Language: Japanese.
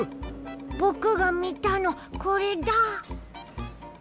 ぼくがみたのこれだ！